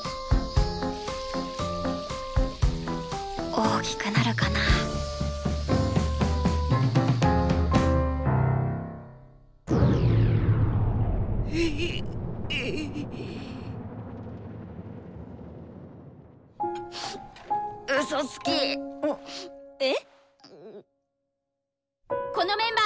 大きくなるかなウソつき。え！？